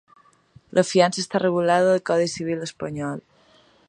La fiança està regulada al Codi civil espanyol.